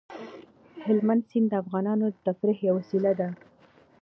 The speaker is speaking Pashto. هلمند سیند د افغانانو د تفریح یوه وسیله ده.